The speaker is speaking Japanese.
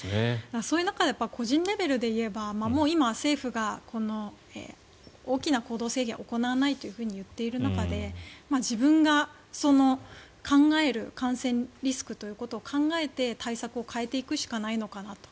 そういう中で個人レベルでいえば今、政府が大きな行動制限を行わないと言っている中で自分が考える感染リスクということを考えて対策を変えていくしかないのかなと。